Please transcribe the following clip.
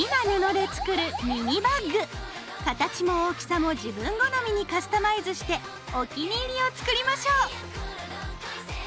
形も大きさも自分好みにカスタマイズしてお気に入りを作りましょう。